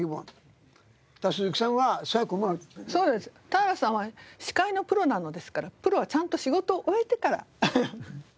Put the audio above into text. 田原さんは司会のプロなのですからプロはちゃんと仕事を終えてから。